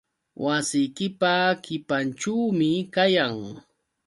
Wasiykipa qipanćhuumi kayan.